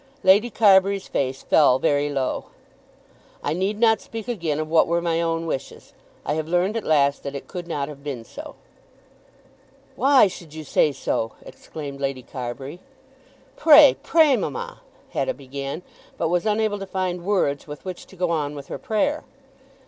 Lady Carbury's face fell very low. "I need not speak again of what were my own wishes. I have learned at last that it could not have been so." "Why should you say so?" exclaimed Lady Carbury. "Pray, pray, mamma ," Hetta began, but was unable to find words with which to go on with her prayer.